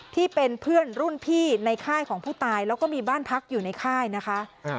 ที่เป็นเพื่อนรุ่นพี่ในค่ายของผู้ตายแล้วก็มีบ้านพักอยู่ในค่ายนะคะ